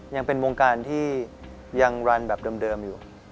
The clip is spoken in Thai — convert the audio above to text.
ยังเป็นวงการที่ยังรันแบบเดิมอยู่